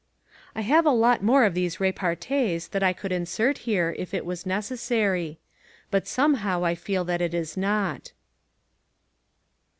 I have a lot more of these repartees that I could insert here if it was necessary. But somehow I feel that it is not.